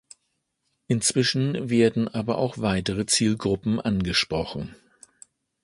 Inzwischen werden aber auch weitere Zielgruppen angesprochen.